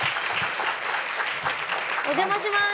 お邪魔します。